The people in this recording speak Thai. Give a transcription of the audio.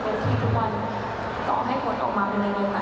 เป็นที่ทุกวันต่อให้หมดออกมาเป็นเรื่องนั้น